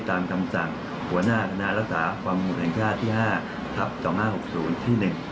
ตามคำสั่งหัวหน้าธนรัฐศาสตร์ความผู้แข่งชาติที่๕ทัพ๒๕๖๐ที่๑